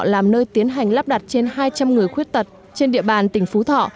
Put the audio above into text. làm nơi tiến hành lắp đặt trên hai trăm linh người khuyết tật trên địa bàn tỉnh phú thọ